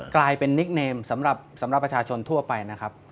กลายเป็นนิกเนมสำหรับประชาชนทั่วไปนะครับ